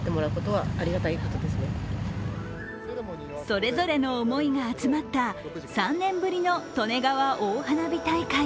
それぞれの思いが集まった３年ぶりの利根川大花火大会。